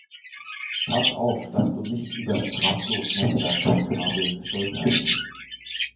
Pass auf, dass du nicht übers Drahtlosnetzwerk-Kabel stolperst!